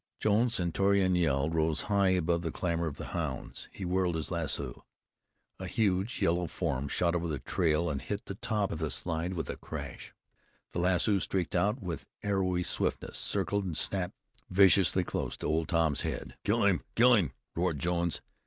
Jones's stentorian yell rose high above the clamor of the hounds. He whirled his lasso. A huge yellow form shot over the trail and hit the top of the slide with a crash. The lasso streaked out with arrowy swiftness, circled, and snapped viciously close to Old Tom's head. "Kill him! Kill him!" roared Jones.